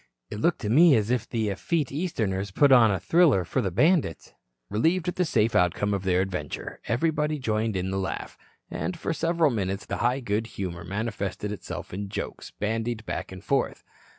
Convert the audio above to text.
"It looked to me as if the effete Easterners put on the thriller for the bandits." Relieved at the safe outcome of their adventure, everybody joined in the laugh, and for several minutes the high good humor manifested itself in jokes bandied back and forth.